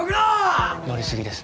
乗り過ぎです